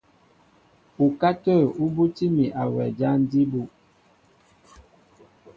Ukátə̂ ú bútí mi a wɛ jǎn jí bú.